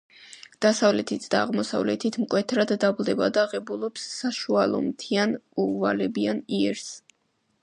დასავლეთით და აღმოსავლეთით მკვეთრად დაბლდება და ღებულობს საშუალომთიან უვალებიან იერს.